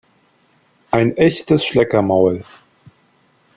Ein echtes Schleckermaul!